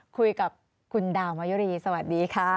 คุยกับคุณดาวมายุรีสวัสดีค่ะ